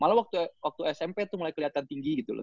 malah waktu smp tuh mulai keliatan tinggi gitu loh